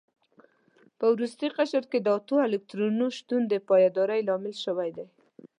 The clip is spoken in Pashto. په وروستي قشر کې د اتو الکترونونو شتون د پایداري لامل شوی دی.